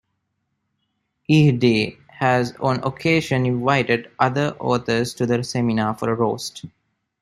Ihde has on occasion invited other authors to the seminar for a "roast".